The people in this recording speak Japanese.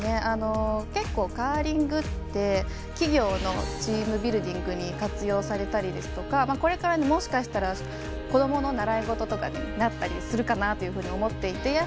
結構、カーリングって企業のチームビルディングに活用されたりこれからもしかしたら子どもの習い事とかになったりするかなと思っていて。